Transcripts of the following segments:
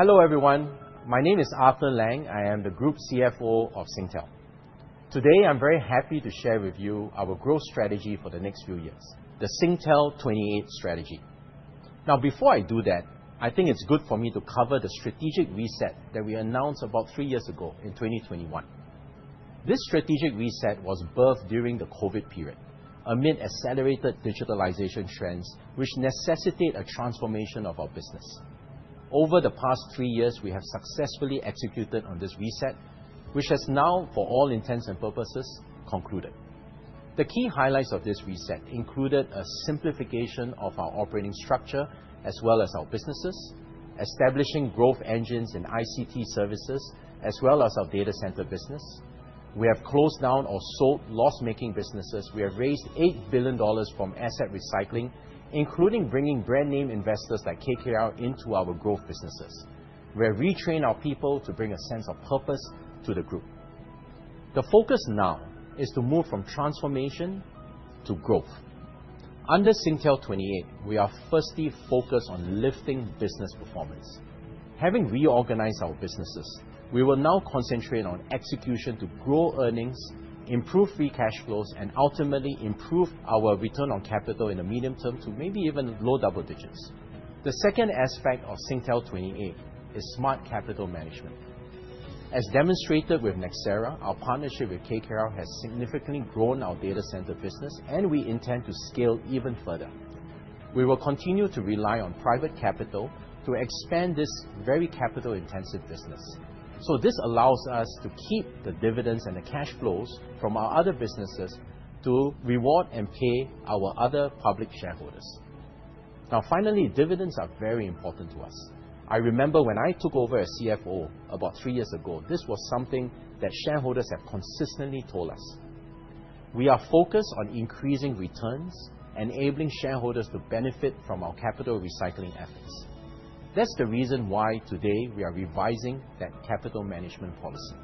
Hello everyone. My name is Arthur Lang. I am the group CFO of Singtel. Today, I'm very happy to share with you our growth strategy for the next few years, the Singtel28 strategy. Before I do that, I think it's good for me to cover the strategic reset that we announced about three years ago in 2021. This strategic reset was birthed during the COVID period amid accelerated digitalization trends, which necessitate a transformation of our business. Over the past three years, we have successfully executed on this reset, which has now, for all intents and purposes, concluded. The key highlights of this reset included a simplification of our operating structure as well as our businesses, establishing growth engines in ICT services, as well as our data center business. We have closed down or sold loss-making businesses. We have raised 8 billion dollars from asset recycling, including bringing brand name investors like KKR into our growth businesses. We have retrained our people to bring a sense of purpose to the group. The focus now is to move from transformation to growth. Under Singtel28, we are firstly focused on lifting business performance. Having reorganized our businesses, we will now concentrate on execution to grow earnings, improve free cash flows, and ultimately improve our return on capital in the medium term to maybe even low double digits. The second aspect of Singtel28 is smart capital management. As demonstrated with Nxera, our partnership with KKR has significantly grown our data center business, and we intend to scale even further. We will continue to rely on private capital to expand this very capital-intensive business. This allows us to keep the dividends and the cash flows from our other businesses to reward and pay our other public shareholders. Finally, dividends are very important to us. I remember when I took over as CFO about three years ago, this was something that shareholders have consistently told us. We are focused on increasing returns, enabling shareholders to benefit from our capital recycling efforts. That's the reason why today we are revising that capital management policy.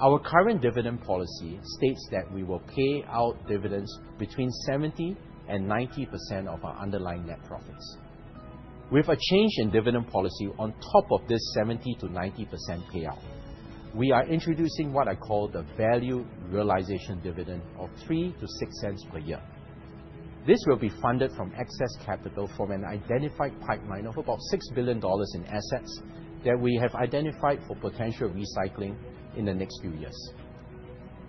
Our current dividend policy states that we will pay out dividends between 70% and 90% of our underlying net profits. With a change in dividend policy on top of this 70% to 90% payout, we are introducing what I call the value realization dividend of 0.03 to 0.06 per year. This will be funded from excess capital from an identified pipeline of about 6 billion dollars in assets that we have identified for potential recycling in the next few years.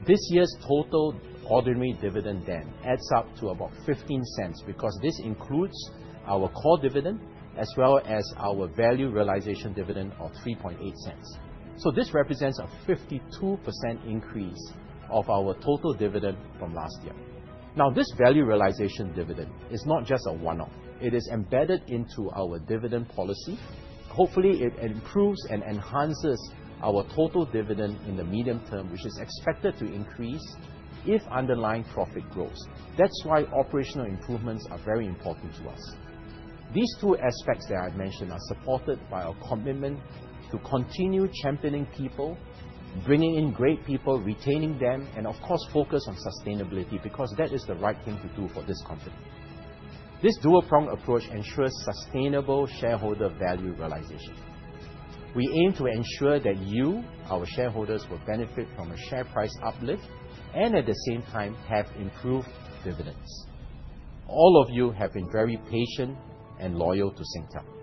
This year's total ordinary dividend adds up to about 0.15 because this includes our core dividend as well as our value realization dividend of 0.038. This represents a 52% increase of our total dividend from last year. This value realization dividend is not just a one-off. It is embedded into our dividend policy. Hopefully, it improves and enhances our total dividend in the medium term, which is expected to increase if underlying profit grows. That's why operational improvements are very important to us. These two aspects that I've mentioned are supported by our commitment to continue championing people, bringing in great people, retaining them, and of course, focus on sustainability because that is the right thing to do for this company. This dual-pronged approach ensures sustainable shareholder value realization. We aim to ensure that you, our shareholders, will benefit from a share price uplift and at the same time have improved dividends. All of you have been very patient and loyal to Singtel.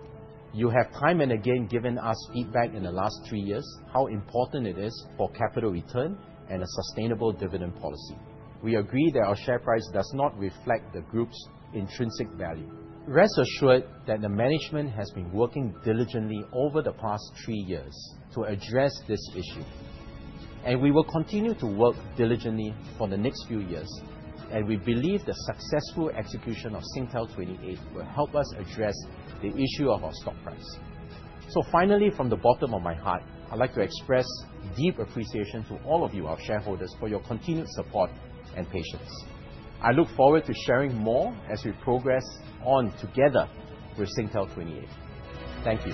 You have time and again given us feedback in the last three years how important it is for capital return and a sustainable dividend policy. We agree that our share price does not reflect the group's intrinsic value. Rest assured that the management has been working diligently over the past three years to address this issue. We will continue to work diligently for the next few years. We believe the successful execution of Singtel28 will help us address the issue of our stock price. Finally, from the bottom of my heart, I'd like to express deep appreciation to all of you, our shareholders, for your continued support and patience. I look forward to sharing more as we progress on together with Singtel28. Thank you